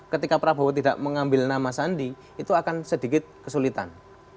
ketika prabowo tidak mengambil nama sandi itu akan sedikit kesulitan